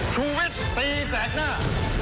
ชูวิชตีแสดหน้า